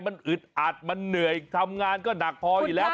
มันอึดอัดมันเหนื่อยทำงานก็หนักพออยู่แล้ว